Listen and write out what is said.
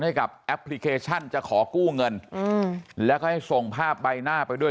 ให้กับแอปพลิเคชันจะขอกู้เงินอืมแล้วก็ให้ส่งภาพใบหน้าไปด้วย